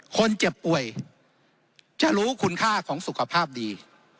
คนเจ็บป่วยจะรู้คุณค่าของสุขภาพดี